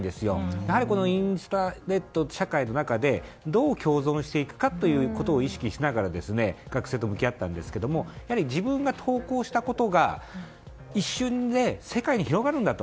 やはり、この社会の中でどう共存していくかを意識しながら学生と向き合っていたんですが自分が投稿したものが一瞬で世界に広がるんだと。